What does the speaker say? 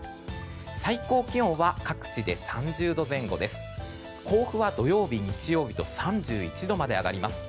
最高気温は各地で３０度前後で甲府は土曜日、日曜日と３１度まで上がります。